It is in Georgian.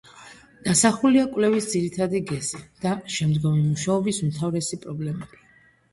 დასახულია კვლევის ძირითადი გეზი და შემდგომი მუშაობის უმთავრესი პრობლემები.